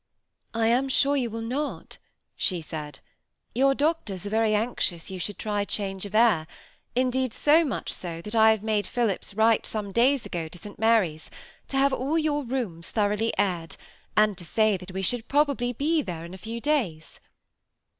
" I am sure you will not," she said ;" your doctors are very anxious you should try change of air ; indeed, 80 much so, that I made Phillips write some days ago to St. Mary's, to have all your rooms thoroughly aired, and to say that we should probably be there in a few days."